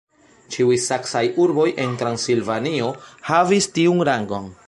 Ĉiuj saksaj urboj en Transilvanio havis tiun rangon.